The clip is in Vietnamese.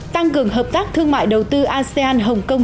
tăng cường hợp tác thương mại đầu tư asean hcm